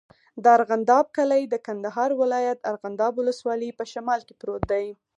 د ارغنداب کلی د کندهار ولایت، ارغنداب ولسوالي په شمال کې پروت دی.